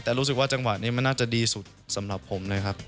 แต่รู้สึกว่าจังหวะนี้มันน่าจะดีสุดสำหรับผมเลยครับ